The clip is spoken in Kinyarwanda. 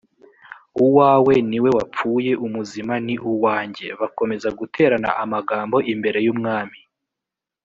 uwawe ni we wapfuye umuzima ni uwanjye bakomeza guterana amagambo imbere y umwami